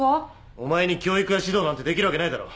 お前に教育や指導なんてできるわけないだろ！